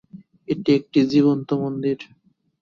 এটি একটি জীবন্ত মন্দির।